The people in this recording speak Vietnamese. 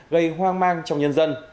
gây hoang mang trong nhân dân